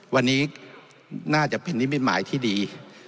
วันนี้น่าจะเป็นนิมิตหมายที่ดี